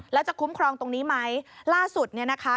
แล้วจะคุ้มครองตรงนี้ไหมล่าสุดเนี่ยนะคะ